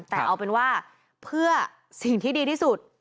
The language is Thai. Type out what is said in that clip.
แต่เอาเป็นว่าเพื่อสิ่งที่ดีที่สุด